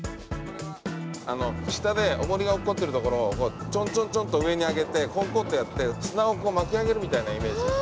下で重りが落っこちているところをちょんちょんちょんと上に上げてこんこんとやって砂を巻き上げるみたいなイメージ。